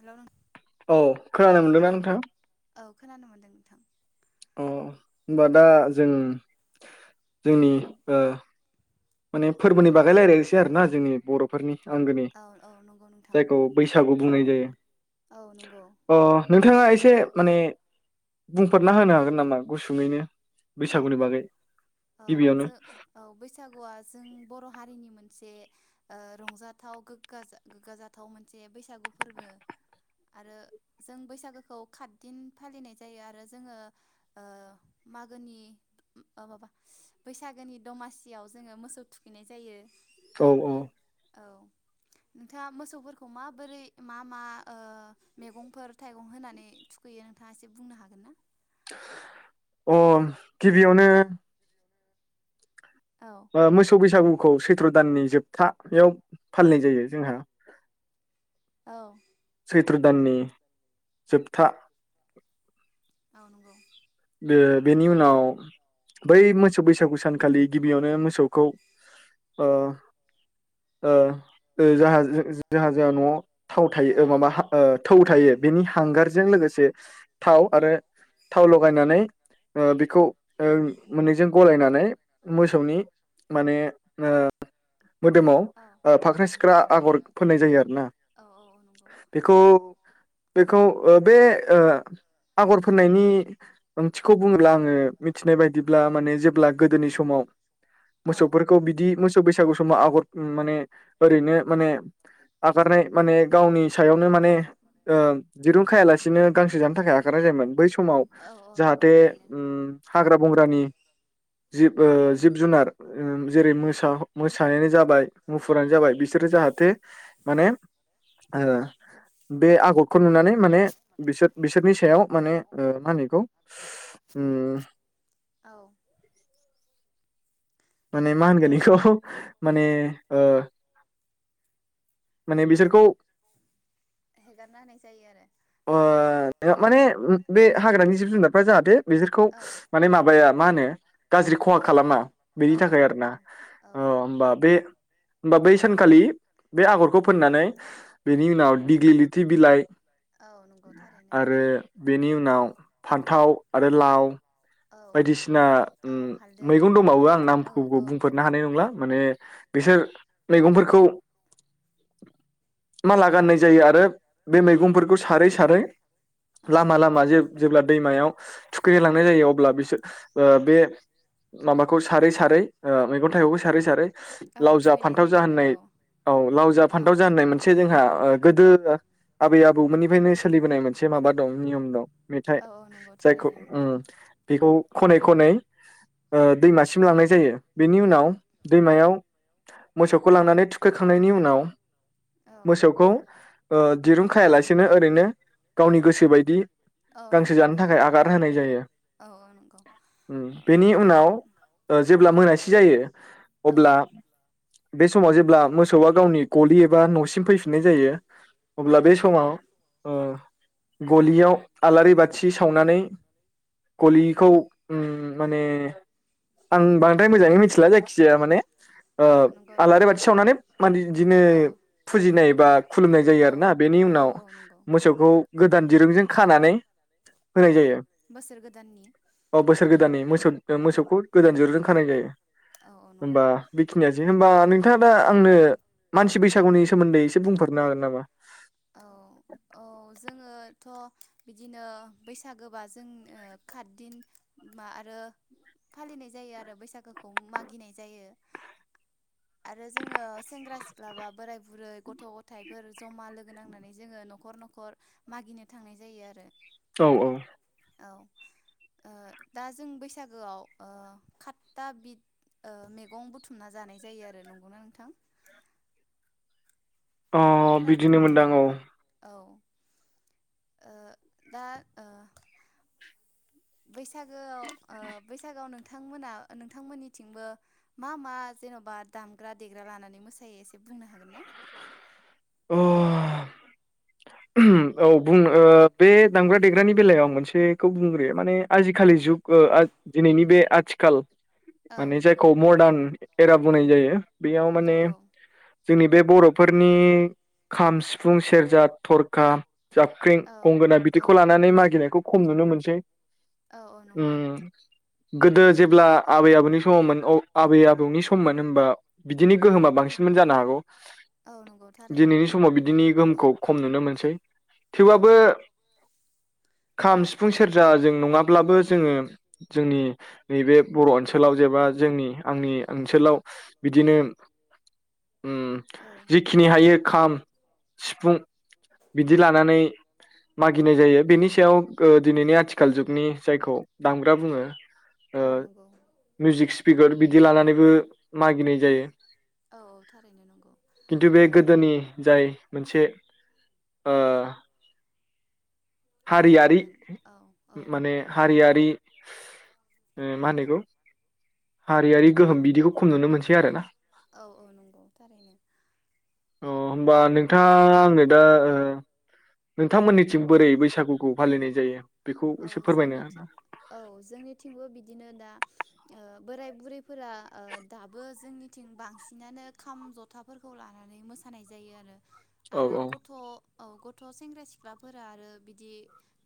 हेल'। औ खोनानो मोनदोंना नोंथां। औ खोनानो मोन्दों नोंथां। अ होनबा औ दा जों। जोंनि ओ। माने फोरबोनि औ बागै रायलायनोसै आरोना। जोंनि बर'फोरनि। आंगोनि औ औ नंगौ नोंथां जायखौ बैसागु। बुंनाय जायो। औ नंगौ अ नोंथाङा। एसे माने बुंफोरना होनो हागोन नामा गुसुङैनो। औ बैसागुनि बागै औ ज गिबियावनो औ बैसागुआ। जों बर' हारिनि मोनसे रंजाथाव गोग्गा जाथाव मोनसे बैसागु फोरबो आरो जों बैसागुखौ खातदिन फालिनाय जायो आरो जोङो। गोनि माबा बैसागोनि दमासियाव जोङो मोसौ थुखैनाय जायो। औ औ। औ नोंथाङा मोसौफोरखौ माबोरै मा मा मैगंफोर थाइगं होनानै थुखैयो नोंथाङा एसे बुंनो हागोन ना। अ गिबियावनो। औ बा मोसौ बैसागु। खौ सैथ्र' दाननि जोबथायाव फालिनाय जायो जोंहा। औ। सैत्र दाननि जोबथा। औ नंगौ। बे बेनि उनाव बै मोसौ बैसागु सानखालि गिबियावनो मोसौखौ ज जायहा जायहा न'आव। थाव औ थायो माबा थौ थायो बेनि हांगारजों लोगोसे। थाव आरो थाव ल गायनानै ओ बेखौ ओ मोननैजों ग'लायनानै मोसौनि माने ओ मोदोमाव औ ओ औ औ फाख्रा-सिख्रा नंगौ आगर फोननाय जायो आरो ना औ औ नंगौ बेखौ बेखौ ओ बे ओ आगर फोननायनि ओंथिखौ बुङोब्ला आङो मिथिनाय बायदिब्ला माने जेब्ला गोदोनि समाव औ मोसौफोरखौ बिदि मोसौ बैसागु समाव आगर माने ओरैनो माने आगारनाय माने गावनि सायावनो माने ओ दिरुं खायालासिनो गांसो जानो थाखाय आगारनाय जायोमोन। बै समाव औ नंगौ जाहाथे थारैनो ओम हाग्रा-बंग्रानि जिब ओ औ जिब-जुनार जेरै मोसा मोसानायानो जाबाय मुफुरानो जाबाय बिसोरो जाहाथे माने ओ बे आगरखौ नुनानै माने बिसोर बिसोरनि सायाव माने मा होनो खौ उम औ माने मा ओ होनगोन इखौ माने ओ माने बिसोरखौ हेगारना होनाय जायो आरो ओ माने बे हाग्रानि जिब जुनारफ्रा जाहाथे बिसोरखौ औ माने माबाया मा होनो गाज्रि खहा खालामा। औ बेनि औ थाखाय आरो ना नंगौ औ ओ होमबा बे होमबा बै सानखालि बे आगरखौ फोननानै बेनि उनाव दिग्लिलिथि बिलाइ औ नंगौ थारैनो आरो बेनि उनाव फान्थाव आरो लाव औ बायदिसिना ओम औ हालदै मैगं दंबावो आं बेफोरबायदि औ नामखौ औ बुंफोरनो हानाय नंला माने बिसोर मैगंफोरखौ माला औ गाननाय जायो। आरो बे मैगंफोरखौ सारै सारै औ नंगौ लामा-लामा जे जेब्ला दैमायाव थुखैनाय लांनाय जायो अ अब्ला बेसोर ओ बे माबाखौ सारै बारै ओ मै गं थायगंखौ सारै-सारै औ लाव जा थुखैनाय फान्थाव जायो जा आरो होननाय औ लाव जा औ फान्थाव जा होननाय मोनसे जोंहा ओ गोदो आबै-आबौमोननिफ्रायनो सोलिबोनाय मोनसे माबा दं नियम दं। मेथाइ औ औ नंगौ जायखौ थारैनो नंगौ उम खौ खनै खनै ओ दैमासिम लांनाय जायो बेनि उनाव दैमायाव मोसौखौ लांनानै थुखैखांनायनि उनाव औ मोसौखौ ओ दिरुं खायालासेनो ओरैनो गावनि गोसो बायदि औ गांसो जानो हेगारना थाखाय होनाय आगार जायो औ होनाय जायो औ औ नंगौ ओम औ बेनि ओ उनाव जेब्ला मोनासि जायो औ अब्ला बे समाव जेब्ला मोसौआ गावनि गलि एबा न'सिम फैफिननाय जायो अब्ला औ बे समाव नंगौ ओ गलियाव आलारि बाथि सावनानै गलिखौ ओम माने आं बांद्राय मोजाङै मिथिला जायखिजाया माने ओ औ नंगौ आलारि थारैनो बाथि सावनानै माने बिदिनो औ औ फुजिनाय बा खुलुमनाय जायो औ आरोना बेनि औ उनाव औ नंगौ मोसौखौ गोदान दिरुंजों खानानै होनाय औ जायो बोसोर गोदान अ बोसोर गोदाननि मोसौ औ मोसौखौ गोदान दिरुंजों खानाय जायो औ नंगौ होमबा बेखिनियानोसै होमबा नोंथाङा दा आंनो मानसि बैसागुनि सोमोन्दै एसे बुंफेरनो हागोन नामा थ' बिदिनो बैसागोबा जों खातदिन मा आरो फालिनाय जायो आरो बैसागोखौ मागिनाय जायो आरो जोङो सेंग्रा सिख्ला बा बोराय बुरै गथ' गथ' गथायफोर जमा लोगो नांनानै जोङो न'खर न'खर मागिनो थांनाय जायो आरो औ औ औ ओ दा जों बैसागोआव खातता बिद मैगं बुथुमना जानाय जायो आरो नंगौना नोंथां अ बिदिनो मोनदां औ ओ दा ओ बैसागोआव ओ‌ बैसागोआव नोंथांमोना नोंथांमोननिथिंबो मा मा जेन'बा दामग्रा देग्रा लानानै मोसायो एसे बुंनो हागोन ना अ औ बुंनो बे दामग्रा देग्रानि बेलायाव आं मोनसेखौ बुंग्रोयो माने आजिखालि जुग ओ दिनैनि बे आथिखाल माने औ नंगौ जायखौ‌ मरडान फेरा बुंनाय जायो बे आव औ माने औ जोंनि बे बर'फोरनि खाम सिफुं सेरजा थरखा जाबख्रें औ गंगोना औ बिदिखौ लानानै मागिनायखौ खम नुनो मोनसै औ औ नंगौ उम गोदो जेब्ला आबै आबौनि समावमोन औ आबै आबौनि सममोन होमबा बिदिनि गोहोमा बांसिनमोन जानो हागौ। औ नंगौ थारैनो दिनैनि समाव बिदिनो गोम खम नुनो मोनसै। औ थेवबाबो खाम सिफुं औ सेरजा जों नङा ब्लाबो जोङो जोंनि नैबे बर' ओनसोलाव जेबा जोंनि आंनि ओनसोलाव बिदिनो उम औ जिखिनि हायो खाम सिफुं बिदि लानानै मागिनाय जायो बेनि सायाव ओ दिनैनि आथिखाल जुगनि जायखौ दामग्रा बुङो। ओ औ नंगौ मुइजिग स्पिकार बिदि लानानैबो मागिनाय जायो। औ औ थारैनो नंगौ खिन्थु बे ओ गोदोनि जाय मोनसे औ उम। हारियारि नियममोन औ औ मा-माने हारियारि ए मा होनो इखौ? हारियारि औ गोहोम बिदिखौ खम नुनो मोनसै सै आरोना। औ औ नंगौ थारैनो अ होमबा ओ। नोंथाङा आंनो दा ओ नोंथांमोननिथिं बोरै बैसागुखौ फालिनाय जायो? बेखौ औ एसे फोरमायनो जोंनिथिं औ जोंनिथिंबो बिदिनो दा ओ बोराय बुरैफोरा ओ दाबो जोंनिथिं बांसिनानो खाम जथाफोरखौ लानानै मोसानाय जायो आरो। औ आरो गथ' औ गथ' सेंग्रा सिख्लाफोरा आरो बिदि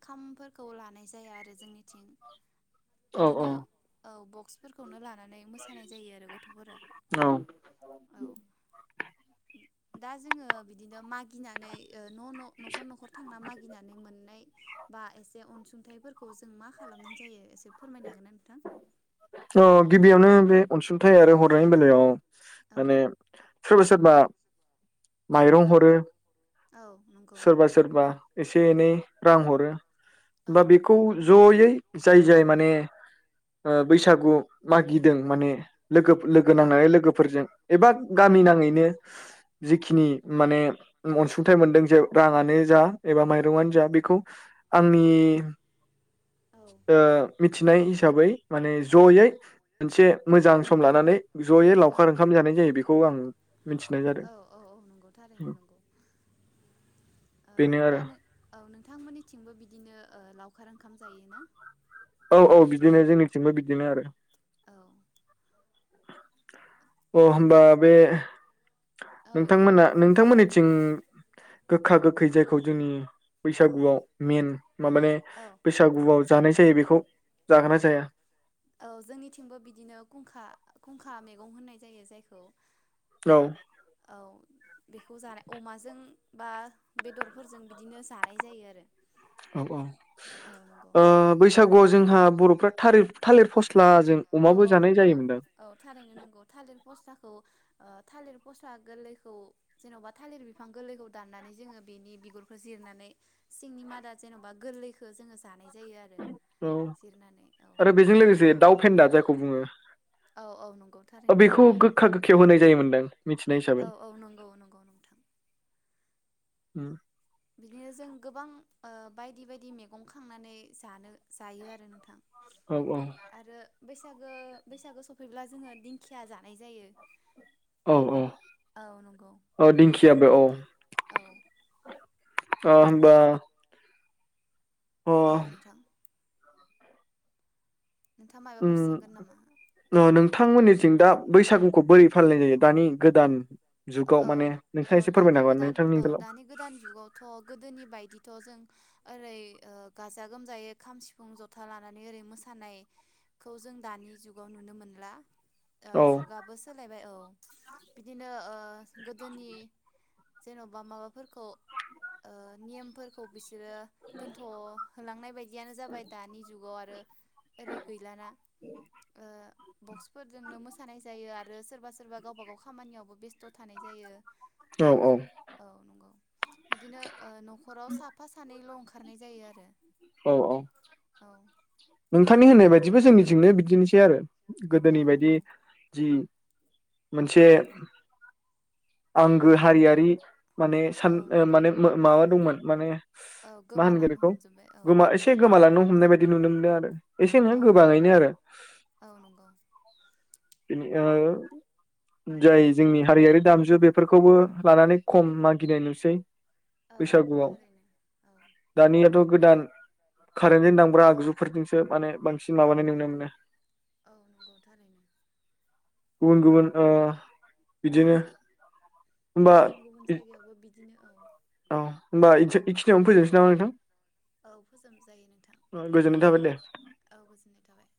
खामफो खौ लानाय जाया आरो जोंनिथिं। औ बिदिनो औ औ बग फोरखौ लानान नै मोसानाय जायो आरो गथ'फोरा औ औ। दा जोङो बिदिनो मागिनानै ओ न' न' न'खर न'खर थांना मागिनानै मोननाय बा एस से अनसुंथाइफोरखौ जों मा खालामनाय जायो एसे फोरमायनो हागोन ना नोंथां? अ गिबियावनो बे अनसुंथाइ आरो हरनायनि बेलायाव औ माने सोरबा सोरबा माइरं औ हरो नंगौ सोरबा सोरबा एसे एनै रां हरो। औ बा नंगौ बेखौ जयै। जाय जाय माने। बैसागु मागिदों माने। लोगो लोगो औ नांनानै लोगोफोरजों एबा औ गामि नाङैनो थारैनो जिखिनि माने अनसुंथाइ मोनदों जे राङानो जा एबा माइरंनो जा बेखौ आंनि औ ओ मिथिनाय हिसाबै माने जयै मोनसे मोजां सम लानानै जयै औ लावखार ओंखाम जानाय जायो बेखौ आं मिथिनाय जादों औ औ औ नंगौ थारैनो नंगौ बेनो आरो दा औ नोंथांमोनिथिंबो बिदिनो लखव खार ओंखाम जायोना? औ औ बिदिनो जोंनिथिंबो बिदिनो आरो। औ अ होमबा बे। औ नोंथांमोना नोंथांमोननि। थिं गोखा गोखै जायखौ जोंनि बैसागुआव मेन माबान औ बैसागुआव। जानाय जायो बेखौ जागोना जाया औ जोंनिथिंबो बिदिनो गुंखा गुंखा। खा मैगं होननाय जायो जायखौ औ। औ बेखौ जानाय अमाजों बा बेदरफोरजों बिदिनो जानाय जायो आरो। औ औ औ नंगौ। ओ बैसागुआव जोंहा बर'फ्रा। थारिफ थालिर फस औ औ नंगौ औ थारैनो नंगौ थालिर फस्थाखौ थालिर फस्ला गोरलैखौ जेन'बा थालिर बिफां गोरलैखौ दाननानै जोङो बेनि बिगुरखौ जिरनानै सिंनि मादा जेन'बा गोरलैखौ जोङो जानाय जायो आरो औ जिरनानै औ आरो बेजों लोगोसे दाउ फेन्दा जाय खौ बुङो। औ औ नंगौ थारैनो। बेखौ गोखा गोखयाव होनाय जायोमदां। औ औ नंगौ औ नंगौ नोंथां। ओम। बिदिनो जों गोबां ओ बायदि बायदि मैगं खांनानै जानो जायो आरो नोंथां। औ औ। आरो बैसागो बैसागो सफैब्ला जोङो दिंखिया जानाय जायो। औ औ औ नंगौ औ दिंखियाबो औ। औ ओ होनबा। औ नोंथां। नोंथाङा माबाफोर उम सोंगोन नामा औ न-नोंथांमोननिथिं दा बैसागुखौ बोरै फालिनाय जायो दानि गोदान जुगाव औ माने औ नोंथाङा एसे दानि फोरमायनो हागोन गोदान नोंथांनि औ ओनसोलाव दानि गोदान जुगावथ' गोदोनि बायदिथ' जों ओरै ओ गाजा गोमजायै खाम, सिफुं, जथा लानानै ओरै मोसानायखौ जों दानि जुगाव नुनो मोनला ओ औ जुगाबो सोलायबाय औ बिदिनो ओ गोदोनि जेन'बा माबाफोरखौ ओ नियमफोरखौ बिस सोरो दोनथ'होलांनाय बायदियानो जाबाय दानि जुगाव आरो ओरै गैलाना ओ बक्सफोरजोंनो मोसानाय जायो आ रो सोरबा सोरबा गावबा गाव खामानियावबो बेस्थ' थानाय जायो औ औ नंगौ बिदिनो ओ न'खराव साफा सानैल' ओंखार खारनाय जायो आरो औ औ औ नोंथांनि होननाय बायदिबो जोंनि थिंनो बिदिनोसै आरो औ गोदोनि बायदि नंगौ जि मोनसे औ आंगो हारियारि माने सान औ नंगौ माने माबा दंमोन माने औ मा होनगोन गोमालांनो बेखौ हमजोबबाय औ गोमा एसे गोमालांनो हमनाय बायदि नुनो मोनदों आरो एसेनो औ नंगौ गोबाङैनो आरो औ नंगौ बिनि ओ जाय जोंनि हारियारि दामजु बेफोरखौबो लानानै खम मागिनाय नुसै औ नंगौ बैसागुआव थारैनो औ दानियाथ' गोदान कारेन्टजों दांब्रा आगजुफोरजोंसो माने बांसिन माबानाय नुनो मोनो औ नंगौ थारैनो गुबुन गुबुन बिदिनो होमबा गुबुन गुबुन जायगायावबो बिद दिनो औ औ होनोमबा इसे-एखिनियावनो फैजोबनोसै नामा नोंथां औ फोजोबजायो नोंथां गोजोननाय थाबाय दे औ गोजोननाय थाबाय